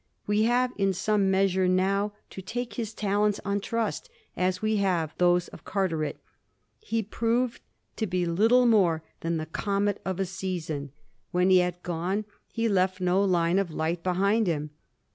We have in some measure now to take his talents on trust, as we have those of Carteret. He proved to be little more than the comet of a season ; when he had gone, Digiti zed by Google 1725 PULTENEY. 333 he left no line of light behind him.